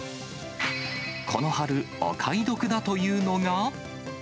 この春、お買い得だというのが。